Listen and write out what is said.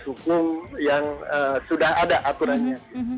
hukum yang sudah ada aturannya